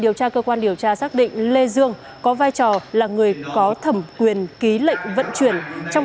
điều tra cơ quan điều tra xác định lê dương có vai trò là người có thẩm quyền ký lệnh vận chuyển trong